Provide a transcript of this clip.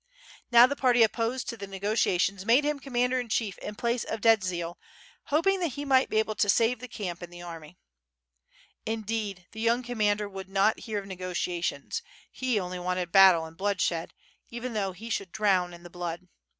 Now the party opposed to the negotia tions made him commander in chief in place of Dziedzial hoping that he might be able to save the camp and the army. WITH FIRE AND SWORD. glQ Indeed the yaung commander would not hear of negotia tions, he only wanted battle and bloodshed, even though he should drown in the blood.